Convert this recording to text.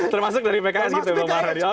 termasuk dari pks gitu